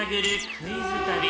クイズ旅。